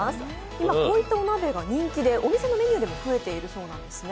今、こういったお鍋が人気でお店のメニューでも増えているそうなんですね。